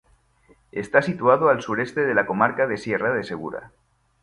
Está situado al sureste de la Comarca de Sierra de Segura.